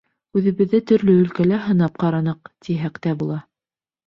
— Үҙебеҙҙе төрлө өлкәлә һынап ҡараныҡ, тиһәк тә була.